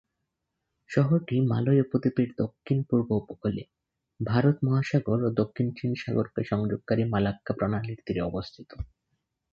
শহরটি মালয় উপদ্বীপের দক্ষিণ-পূর্ব উপকূলে, ভারত মহাসাগর ও দক্ষিণ চীন সাগরকে সংযোগকারী মালাক্কা প্রণালীর তীরে অবস্থিত।